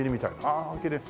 ああおきれい。